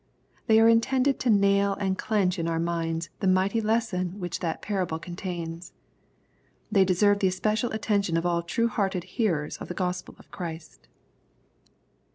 They are intended to nail and clench in our minds the mighty lesson which that para ble contains. They deserve the especial attention of all true hearted hearers of the Gospel of Christ.